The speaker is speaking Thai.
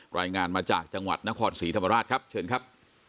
รายงานมาจากจังหวัดนครศรีธรรมราชครับเชิญครับ